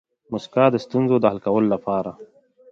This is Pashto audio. موسکا د ستونزو د حل کولو لپاره